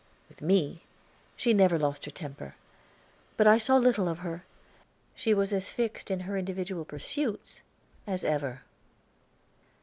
With me she never lost temper. But I saw little of her; she was as fixed in her individual pursuits as ever.